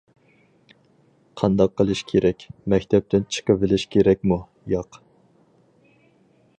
قانداق قىلىش كېرەك؟ مەكتەپتىن چىقىۋېلىش كېرەكمۇ؟ ياق.